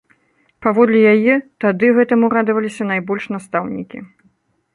Паводле яе, тады гэтаму радаваліся найбольш настаўнікі.